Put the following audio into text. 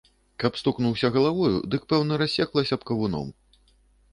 Каб стукнуўся галавою, дык пэўна рассеклася б кавуном.